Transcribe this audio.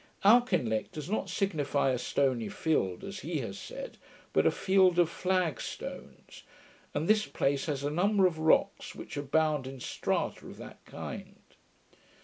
Auchinleck does not signify a 'stony field', as he has said, but a 'field of flag stones'; and this place has a number of rocks, which abound in strata of that kind.